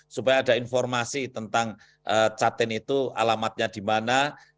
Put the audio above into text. supaya ada informasi tentang catin itu alamatnya di mana